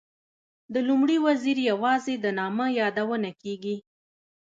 د لومړي وزیر یوازې د نامه یادونه کېږي.